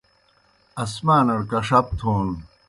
اسمانڑ کݜپ تھون